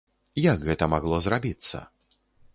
Як гэта магло зрабіцца?